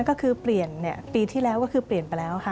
ก็คือเปลี่ยนปีที่แล้วก็คือเปลี่ยนไปแล้วค่ะ